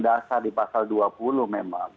dasar di pasal dua puluh memang